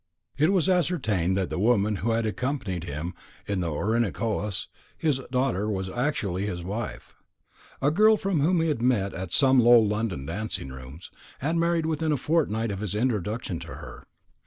It was ascertained that the woman who had accompanied him in the Orinoco as his daughter was actually his wife a girl whom he had met at some low London dancing rooms, and married within a fortnight of his introduction to her.